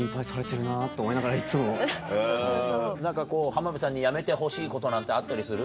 浜辺さんにやめてほしいことなんてあったりする？